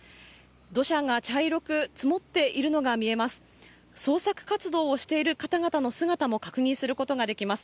土砂が茶色く積もっているのが見えます。